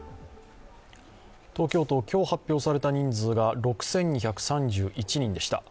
東京都、今日発表された人数が６２３１人でした。